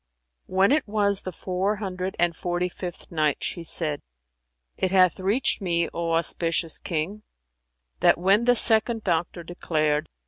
When it was the Four Hundred and Forty fifth Night, She said, It hath reached me, O auspicious King, that when the second doctor declared.